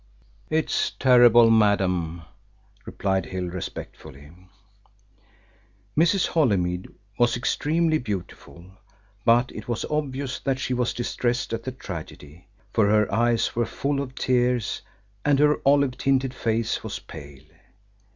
"It's terrible, madam," replied Hill respectfully. Mrs. Holymead was extremely beautiful, but it was obvious that she was distressed at the tragedy, for her eyes were full of tears, and her olive tinted face was pale.